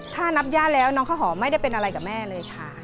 ถ้านับย่าแล้วน้องข้าวหอมไม่ได้เป็นอะไรกับแม่เลยค่ะ